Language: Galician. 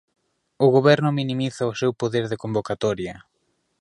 O Goberno minimiza o seu poder de convocatoria.